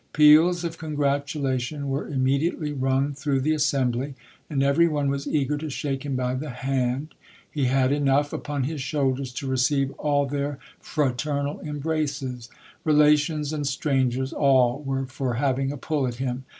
Peals of congratulation were immediately rung through the assembly, and every one was eager to shake him by the hand. He had enough upon his shoulders to receive all their fraternal embraces. Relations and strangers all were for having a pull at him.